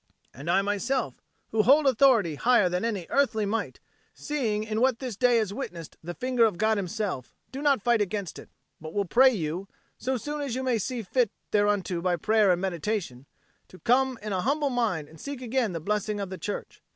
And I myself, who hold authority higher than any earthly might, seeing in what this day has witnessed the finger of God Himself, do not fight against it, but will pray you, so soon as you may fit yourself thereunto by prayer and meditation, to come in a humble mind and seek again the blessing of the Church.